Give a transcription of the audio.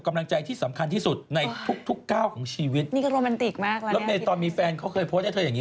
ขนาดพี่เมียเองอยัง